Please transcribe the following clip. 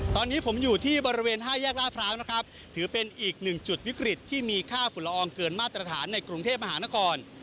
ตอนนี้ผมอยู่ที่บริเวณห้าแยกลาดพร้าวนะครับถือเป็นอีกหนึ่งจุดวิกฤตที่มีค่าฝุ่นละอองเกินมาตรฐานในกรุงเทพมหานคร